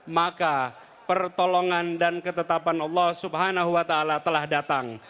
maka pertolongan dan ketetapan allah subhanahu wa ta'ala telah datang